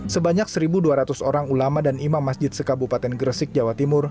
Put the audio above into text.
sebanyak satu dua ratus orang ulama dan imam masjid sekabupaten gresik jawa timur